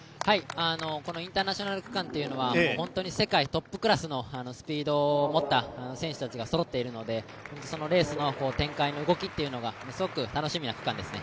このインターナショナル区間は本当に世界トップクラスのスピードを持った選手たちがそろっているのでそのレースの展開の動きがすごく楽しみな区間ですね。